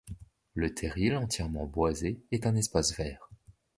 Le terril, entièrement boisé, est un espace vert.